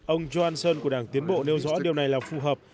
ông johnson của đảng tiến bộ nêu rõ điều này là phù hợp